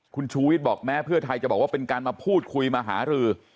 คุณชูวิทย์บอกแม้เพื่อไทยจะบอกว่าเป็นการมาพูดคุยมาหารือ